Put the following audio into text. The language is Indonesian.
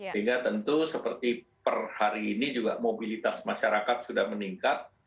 sehingga tentu seperti per hari ini juga mobilitas masyarakat sudah meningkat